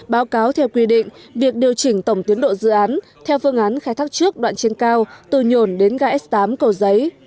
báo cáo theo quy định việc điều chỉnh tổng tiến độ dự án theo phương án khai thác trước đoạn trên cao từ nhổn đến ga s tám cầu giấy